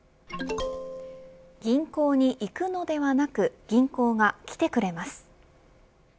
銀行に行くのではなく銀行が来てくれます。